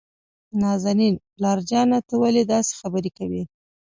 نازنين: پلار جانه ته ولې داسې خبرې کوي؟